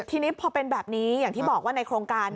ทีนี้พอเป็นแบบนี้อย่างที่บอกว่าในโครงการ